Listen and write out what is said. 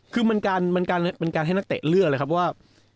คือมันเป็นการให้นักเตะเลือกเลยครับว่า